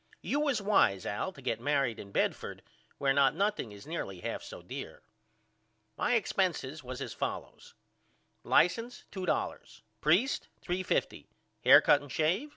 You was wise Al to get married in Bedford where not nothing is nearly half so dear. My expenses was as follows: License $2.00 Preist 3.50 Haircut and shave